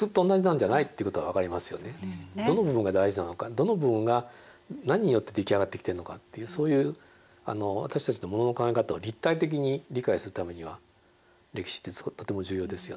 どの部分が何によって出来上がってきているのかというそういう私たちのものの考え方を立体的に理解するためには歴史ってとても重要ですよね。